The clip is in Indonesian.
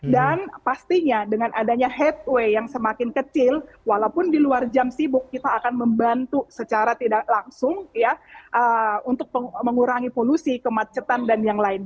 dan pastinya dengan adanya headway yang semakin kecil walaupun di luar jam sibuk kita akan membantu secara tidak langsung ya untuk mengurangi polusi kemacetan dan yang lain